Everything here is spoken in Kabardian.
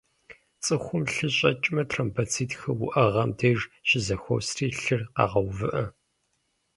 Цӏыхум лъы щӏэкӏмэ, тромбоцитхэр уӏэгъэм деж щызэхуосри, лъыр къагъэувыӏэ.